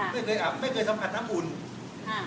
ไม่เคยอาบไม่เคยสัมผัสน้ำอุ่น